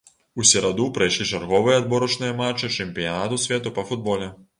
У сераду прайшлі чарговыя адборачныя матчы чэмпіянату свету па футболе.